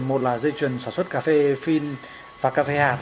một là dây chuyền sản xuất cà phê phin và cà phê hạt